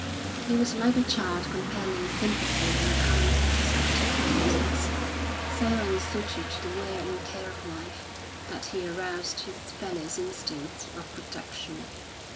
He was like a child compelling sympathy on account of its utter helplessness, so unsuited to the wear and tear of life that he aroused his fellows' instincts of protection.